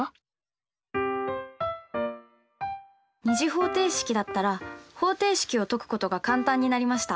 ２次方程式だったら方程式を解くことが簡単になりました。